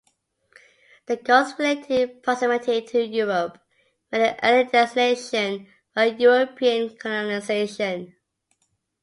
The gulf's relative proximity to Europe made it an early destination for European colonization.